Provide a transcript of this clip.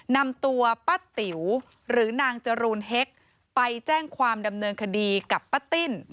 นำตัวป้าติ๋วหรือนางจรูนเฮ็กไปแจ้งความดำเนินคดีกับป้าติ้น